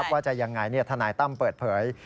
ว่าจะยังไงทนายตั้มเปิดเผย